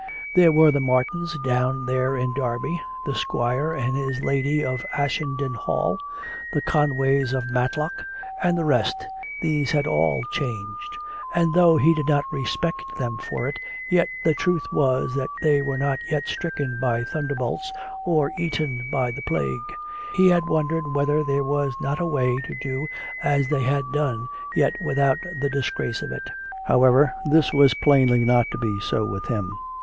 There were the Martins, down there in Derby; the Squire and his lady of Ashenden Hall; the Conways of Matlock; and the rest — these had all changed; and though he did not COME RACK! COME ROPE! 13 respect them for it, yet the truth was that they were not yet stricken by thunderbolts or eaten by the plague. He had wondered whether there were not a way to do as they had done, yet without the disgrace of it. ... However, this was plainly not to be so with him.